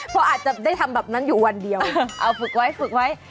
เพราะอาจจะได้ทำแบบนั้นอยู่วันเดียวเอาฝึกไว้ฝึกไว้